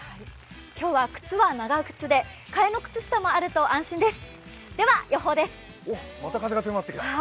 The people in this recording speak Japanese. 今日は靴は長靴で替えの靴下もあると安心です。